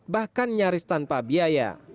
bahkan nyaris tanpa biaya